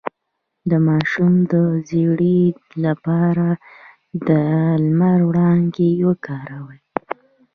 د ماشوم د ژیړي لپاره د لمر وړانګې وکاروئ